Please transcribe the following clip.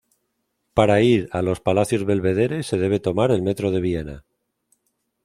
Para ir a los Palacios Belvedere se debe tomar el Metro de Viena.